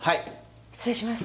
失礼します